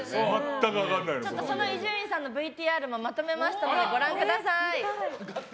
伊集院さんのＶＴＲもまとめましたのでご覧ください。